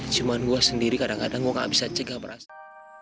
cuma gue sendiri kadang kadang gue gak bisa cegah beras